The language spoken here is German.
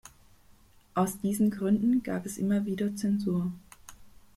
Aus diesen Gründen gab es immer wieder Zensur.